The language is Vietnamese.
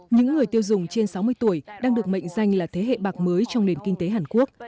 những người tiêu dùng trên sáu mươi tuổi đang được mệnh danh là thế hệ bạc mới trong nền kinh tế hàn quốc